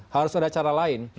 harus ada cara lain